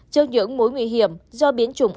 trong những mối nguy hiểm do biến chủng